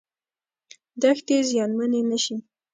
دښتې زیانمنې نشي.